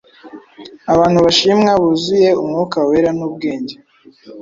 abantu bashimwa, buzuye Umwuka Wera n’ubwenge”